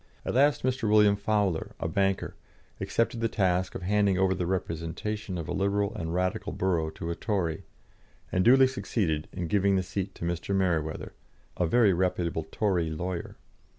At last Mr. William Fowler, a banker, accepted the task of handing over the representation of a Liberal and Radical borough to a Tory, and duly succeeded in giving the seat to Mr. Mereweather, a very reputable Tory lawyer.